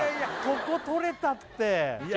ここ取れたって！